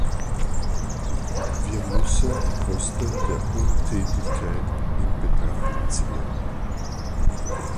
Wir müssen die Kosten der Untätigkeit in Betracht ziehen.